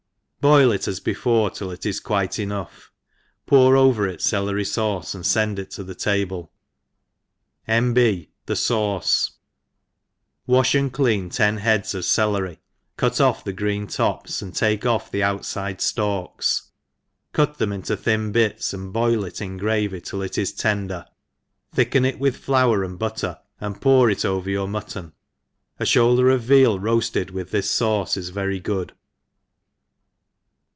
BOIL it as before till it is quite enough, pour over it celery fauce, and fend it to the table, — N. B. i EN&LIfrH HOUit KEEPER. xas N. B. The fauce — Wafl) and cl«an ton hekds o£ cdeiy, cut off the green tops, and take off the outiide ftalks;^ cut them into thin bits, and ^oil it in gravy till it is tender, thicken it with flour and butter> and pour it over youf'^mntton, — A /houlder of veal roafted with this fauce is very good.